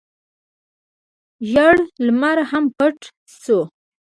ژړ لمر هم پټ شو.